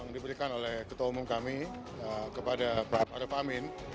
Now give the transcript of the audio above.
yang diberikan oleh ketua umum kami kepada pak arief amin